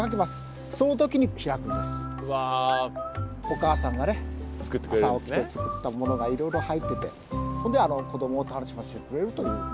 お母さんが朝起きて作ったものがいろいろ入ってて子どもを楽しませてくれるという遊山箱です。